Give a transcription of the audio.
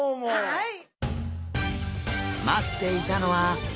はい。